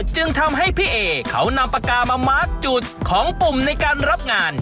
จึงทำให้พี่เอเขานำปากกามามาร์คจุดของปุ่มในการรับงาน